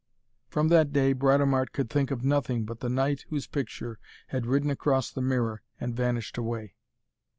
_' From that day Britomart could think of nothing but the knight whose picture had ridden across the mirror and vanished away.